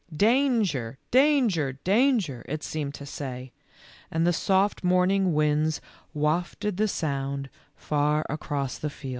?? Danger, danger, danger," it seemed to say, and the soft morning winds wafted the sound far across the fields.